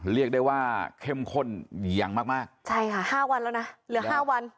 เรียกได้ว่าเข้มข้นอย่างมากมากใช่ค่ะห้าวันแล้วนะเหลือห้าวัน